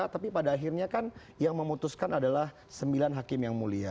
tapi pada akhirnya kan yang memutuskan adalah sembilan hakim yang mulia